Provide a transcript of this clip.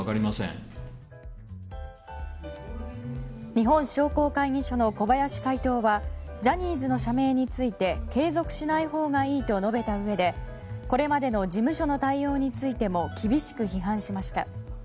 日本商工会議所の小林会頭はジャニーズの社名について継続しないほうがいいと述べたうえでこれまでの事務所の対応についても厳しく批判しました。